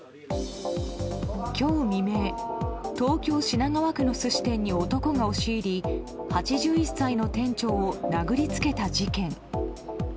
今日未明、東京・品川区の寿司店に男が押し入り８１歳の店長を殴りつけた事件。